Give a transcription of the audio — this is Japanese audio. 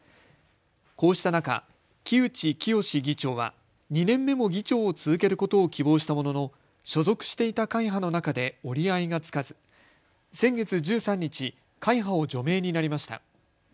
こうした中、木内清議長は２年目も議長を続けることを希望したものの、所属していた会派の中で折り合いがつかず先月１３日、会派を除名になりました。